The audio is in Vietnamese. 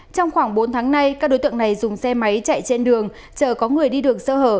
trong khoảng bốn tháng nay các đối tượng này dùng xe máy chạy trên đường chờ có người đi đường sơ hở